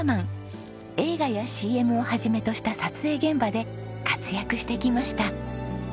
映画やＣＭを始めとした撮影現場で活躍してきました。